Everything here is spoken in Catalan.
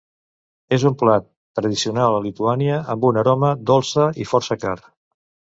És un plat tradicional a Lituània, amb una aroma dolça i força car.